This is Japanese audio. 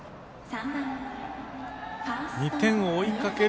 ２点を追いかける